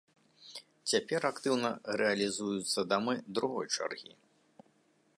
Цяпер актыўна рэалізуюцца дамы другой чаргі.